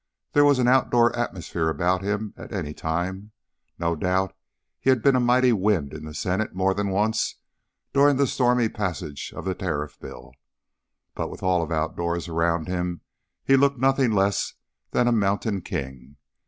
There was an out of door atmosphere about him at any time; no doubt he had been a mighty wind in the Senate more than once during the stormy passage of the Tariff Bill; but with all out doors around him he looked nothing less than a mountain king.